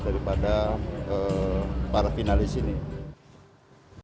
tidak ada sop nya tidak ada dalam rundown dimana quick body check itu juga tanpa persetujuan daripada finalis